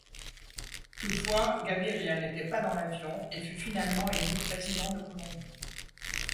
Toutefois, Gaviria n'était pas dans l'avion et fut finalement élu président de Colombie.